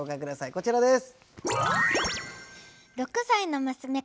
こちらです。